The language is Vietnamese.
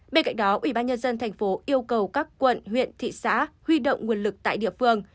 bên cạnh đó ubnd tp yêu cầu các quận huyện thị xã huy động nguồn lực tại địa phương